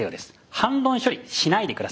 反論処理しないで下さい。